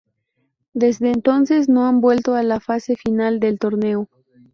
Desde entonces no han vuelto a la fase final del torneo.